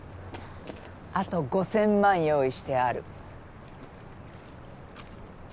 あと５，０００万用意してある。